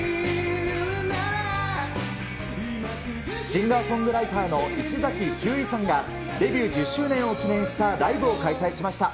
シンガーソングライターの石崎ひゅーいさんが、デビュー１０周年を記念したライブを開催しました。